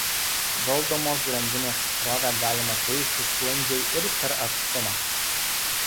Valdomos grandinės srovę galima keisti sklandžiai ir per atstumą.